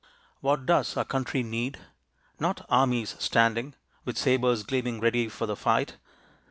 What does our country need? Not armies standing With sabres gleaming ready for the fight.